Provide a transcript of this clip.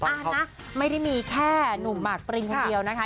นะไม่ได้มีแค่หนุ่มหมากปริงคนเดียวนะคะ